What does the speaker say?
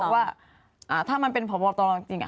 เขาก็บอกว่าถ้ามันเป็นพอบอตรจริง